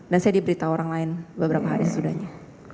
dan saya diberitahu orang lain beberapa hari setudahnya